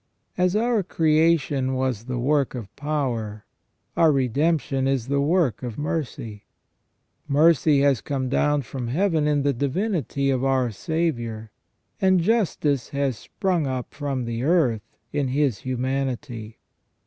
* As our creation was the work of power, our redemption is the work of mercy. Mercy has come down from heaven in the divinity of our Saviour, and justice has sprung up from the earth in His humanity.